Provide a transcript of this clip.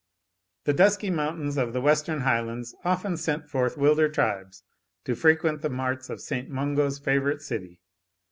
The dusky mountains of the western Highlands often sent forth wilder tribes to frequent the marts of St. Mungo's favourite city.